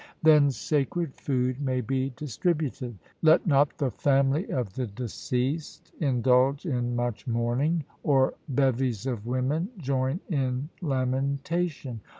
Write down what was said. Then sacred food may be distributed. Let not the family of the deceased indulge in much mourning, or bevies of women join in lamentation.